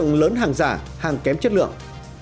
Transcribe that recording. hàng lớn hàng giả hàng kém chất lượng